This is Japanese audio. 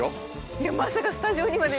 まさかスタジオにまでね。